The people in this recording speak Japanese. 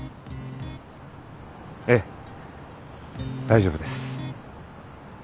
ええ大丈夫です。